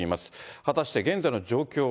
果たして現在の状況は。